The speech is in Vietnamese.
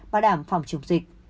và đảm phòng chống dịch